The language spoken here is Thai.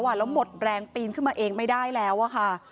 แล้วหมดแรงปีนขึ้นมาเองไม่ได้แล้วค่ะ